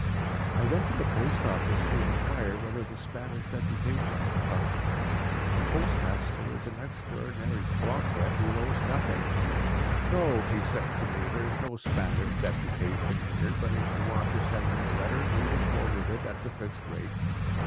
I went to the post office to inquire whether the Spanish deputation had come. The postmaster is an extraordinary blockhead who knows nothing. "No," he said to me, "there is no Spanish deputation here; but if you want to send them a letter, we will forward it at the fixed rate."